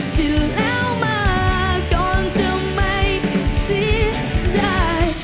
ที่เลามาก่อนจะไม่เสียได้